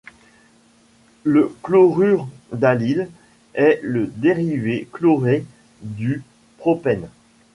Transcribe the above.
Le chlorure d'allyle est le dérivé chloré du propène.